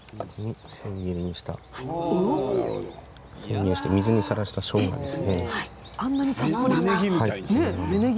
千切りして水にさらしたしょうがです。